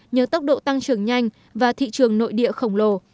nhờ tốc độ tăng trưởng nhanh và thị trường nội địa khổng lồ